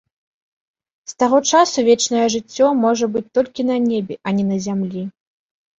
З таго часу вечнае жыццё можа быць толькі на небе, а не на зямлі.